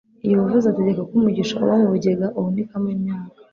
yehova azategeka ko umugisha uba mu bigega uhunikamo imyaka